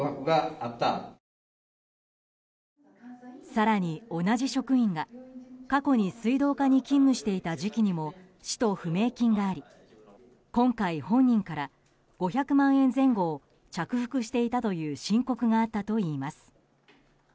更に同じ職員が過去に水道課に勤務していた時期にも使途不明金があり今回本人から５００万円前後を着服していたという申告があったといいます。